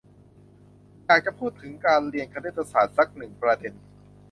อยากจะพูดถึงการเรียนคณิตศาสตร์สักหนึ่งประเด็น